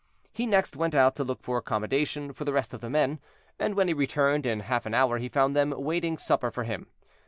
He next went out to look for accommodation for the rest of the men, and when he returned in half an hour he found them waiting supper for him.